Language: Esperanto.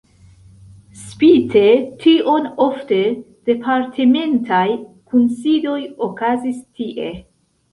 Spite tion ofte departementaj kunsidoj okazis tie.